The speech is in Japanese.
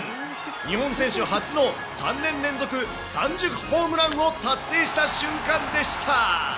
日本選手初の３年連続３０本ホームランを達成した瞬間でした。